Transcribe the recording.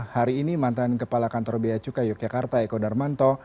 hari ini mantan kepala kantor beacuka yogyakarta eko darmanto